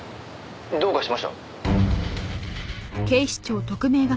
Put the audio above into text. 「どうかしました？」